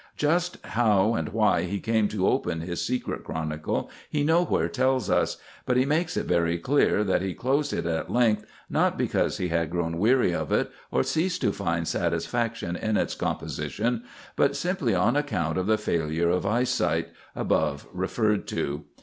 Just how and why he came to open his secret chronicle, he nowhere tells us; but he makes it very clear that he closed it at length, not because he had grown weary of it, or ceased to find satisfaction in its composition, but simply on account of the failure of eyesight, above referred to.